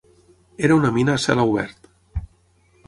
Era una mina a cel obert.